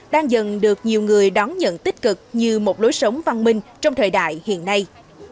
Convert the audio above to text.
đang dần được nhiều người đón nhận tích cực như một lối sống văn minh trong thời đại hiện nay